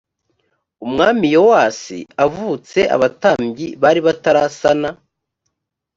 umwami yowasi avutse abatambyi bari batarasana